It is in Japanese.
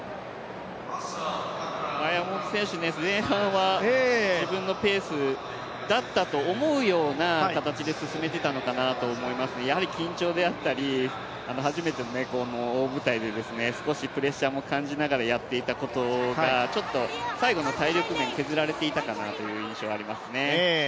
山本選手、前半は自分のペースだったと思うような形で進めてたのかなと思いますがやはり緊張であったり初めての大舞台で少しプレッシャーも感じながらやっていたことが、ちょっと最後の体力面、削られていたかなという印象がありますね。